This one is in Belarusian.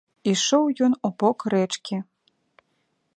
Ішоў ён у бок рэчкі.